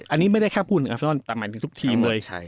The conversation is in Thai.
อันนี้ไม่ได้แค่พูดถึงอัลซอนอนแต่หมายถึงทุกทีมเลย